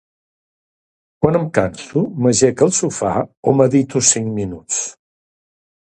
Quan em canso, m'ajec al sofà o medito cinc minuts.